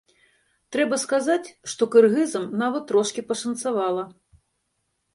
Трэба сказаць, што кыргызам нават трошкі пашанцавала.